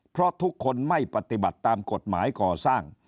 เพราะทุกคนไม่ปฏิบัติตามกฎหมายก่อสร้าง